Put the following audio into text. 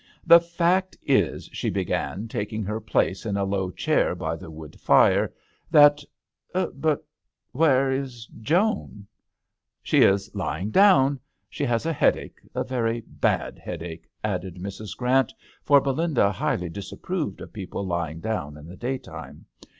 The fact is," she began, tak ing her place in a low chair by THE HdTEL D'aNGLSTERRB. 55 the wood fire, "that But where is Joan ?"She is lying down. She has a headache — a very bad head ache," added Mrs. Grant, for Belinda highly disapproved of people lying down in the day time.